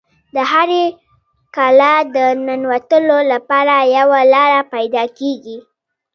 د هرې کلا د ننوتلو لپاره یوه لاره پیدا کیږي